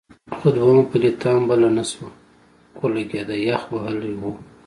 خو دویمه پلته هم بله نه شوه اورلګید یخ وهلی و.